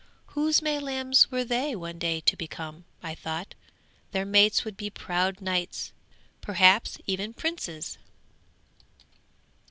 Whose May lambs were they one day to become, thought I; their mates would be proud knights perhaps even princes!